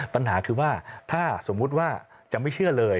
ปัญหาคือว่าถ้าสมมุติว่าจะไม่เชื่อเลย